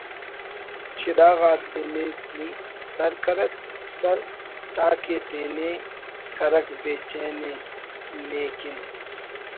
چراغ آ تینے نی سر کرک سر تاکہ تینے کرک بے چین ءِ نے کن